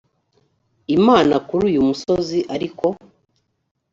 imana kuri uyu musozi ariko